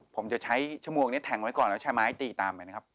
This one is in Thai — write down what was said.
ผมจะใช้ชั่วโมงนี้แทงไว้ก่อนแล้วใช้ไม้ตีตามไปนะครับ